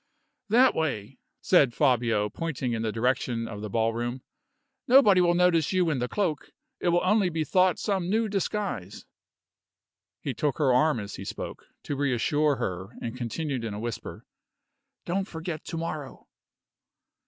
"That way," said Fabio, pointing in the direction of the ballroom. "Nobody will notice you in the cloak; it will only be thought some new disguise." He took her arm as he spoke, to reassure her, and continued in a whisper, "Don't forget to morrow."